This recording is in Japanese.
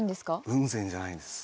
雲仙じゃないんです。